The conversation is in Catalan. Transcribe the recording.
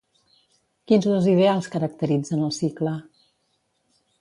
Quins dos ideals caracteritzen el cicle?